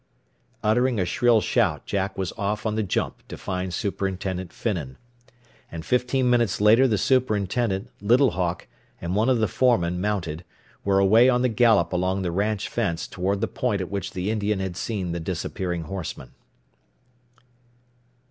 Uttering a shrill shout Jack was off on the jump to find Superintendent Finnan. And fifteen minutes later the superintendent, Little Hawk, and one of the foremen, mounted, were away on the gallop along the ranch fence toward the point at which the Indian had seen the disappearing horseman.